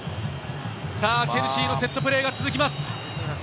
チェルシーのセットプレーが続きます。